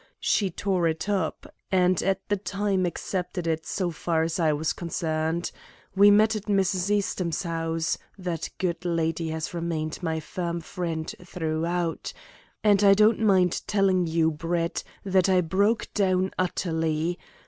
She tore it up, and at the same time accepted it so far as I was concerned. We met at Mrs. Eastham's house that good lady has remained my firm friend throughout and I don't mind telling you, Brett, that I broke down utterly.